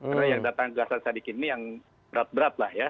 karena yang datang ke gasa sadikin ini yang berat berat lah ya